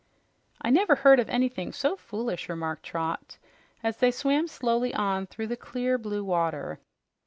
"I never heard of anything so foolish," remarked Trot as she swam slowly on through the clear, blue water.